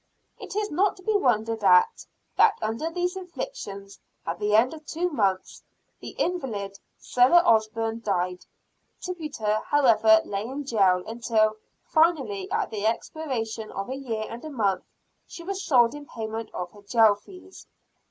It is not to be wondered at, that under these inflictions, at the end of two months, the invalid, Sarah Osburn, died. Tituba, however, lay in jail until, finally, at the expiration of a year and a month, she was sold in payment of her jail fees.